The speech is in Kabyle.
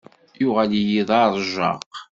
Yuɣal-iyi d aṛejjaq.